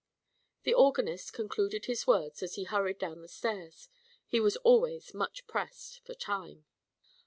The organist concluded his words as he hurried down the stairs he was always much pressed for time.